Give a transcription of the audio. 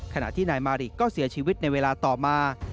ขณะที่นายมาริก็เสียชีวิตในเวลาต่อมา